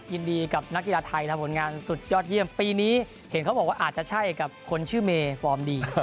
ยินดีกับนักกีฬาไทยทำผลงานสุดยอดเยี่ยมปีนี้เห็นเขาบอกว่าอาจจะใช่กับคนชื่อเมย์ฟอร์มดี